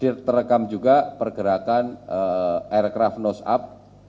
trim kemudian derekam juga pergerakan aircraft nose up